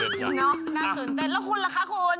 เนอะน่าเต้นเต้นแล้วคุณละคะคุณ